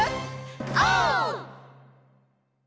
オー！